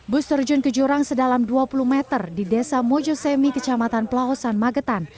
bus terjun ke jurang sedalam dua puluh meter di desa mojosemi kecamatan pelausan magetan